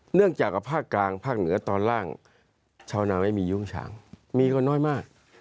เนื่องจากกับภาคกลางภาคเหนือตอนล่างชาวนาไม่มียุ้งฉางมีก็น้อยมาก